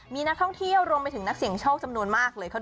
มีนักท่องเที่ยวรวมไปถึงนักเสี่ยงโชคจำนวนมากเลย